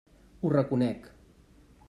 Ho reconec.